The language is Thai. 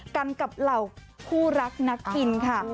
กันกับเหล่าคู่รักนักกินค่ะ